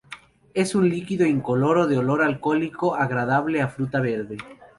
Es un líquido incoloro de olor alcohólico agradable a fruta verde.